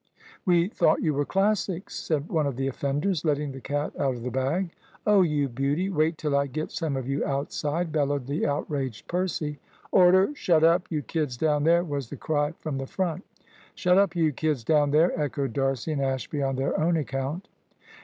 "We thought you were Classics," said one of the offenders, letting the cat out of the bag. "Oh, you beauty! Wait till I get some of you outside," bellowed the outraged Percy. "Order! Shut up, you kids down there!" was the cry from the front. "Shut up, you kids down there!" echoed D'Arcy and Ashby on their own account.